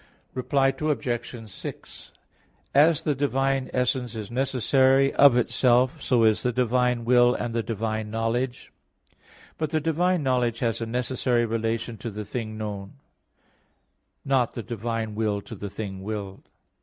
Reply Obj. 6: As the divine essence is necessary of itself, so is the divine will and the divine knowledge; but the divine knowledge has a necessary relation to the thing known; not the divine will to the thing willed.